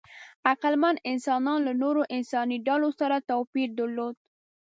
عقلمن انسانان له نورو انساني ډولونو سره توپیر درلود.